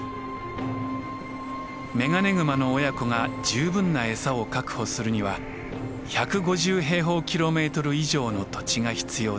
メガネグマの親子が十分な餌を確保するには１５０平方キロメートル以上の土地が必要です。